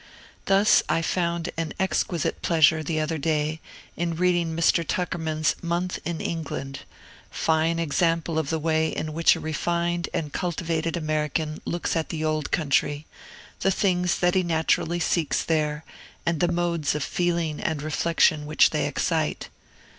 Thus I found an exquisite pleasure, the other day, in reading Mr. Tuckerman's "Month in England," fine example of the way in which a refined and cultivated American looks at the Old Country, the things that he naturally seeks there, and the modes of feeling and reflection which they excite.